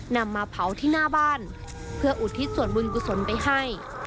นำมาเผาที่หน้าบ้านเพื่ออุทิศส่วนบุญกุศลไปให้